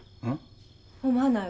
思わないわ。